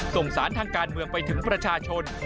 ส่งสารทางการเมืองไปถึงประชาชน